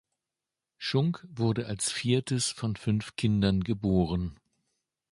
Schunck wurde als viertes von fünf Kindern geboren.